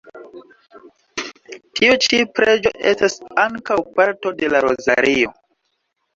Tiu ĉi preĝo estas ankaŭ parto de la rozario.